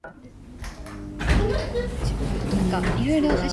我真係屌你都費事